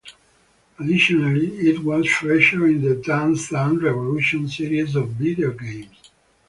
Additionally, it was featured in the "Dance Dance Revolution" series of video games.